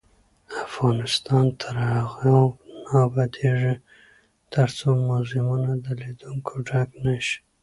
افغانستان تر هغو نه ابادیږي، ترڅو موزیمونه د لیدونکو ډک نشي.